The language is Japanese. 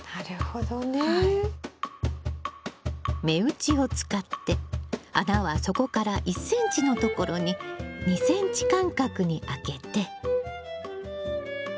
目打ちを使って穴は底から１ｃｍのところに２ｃｍ間隔に開けて。